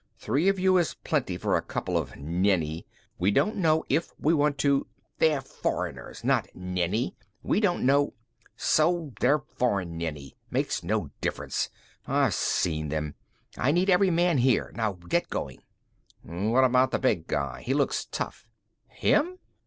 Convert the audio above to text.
Three of you is plenty for a couple of Nenni. We don't know if we want to " "They're foreigners, not Nenni. We don't know " "So they're foreign Nenni. Makes no difference. I've seen them. I need every man here; now get going." "What about the big guy? He looks tough." "Him?